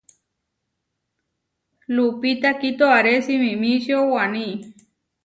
Lupita kitoaré simimíčio Waní.